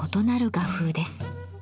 画風です。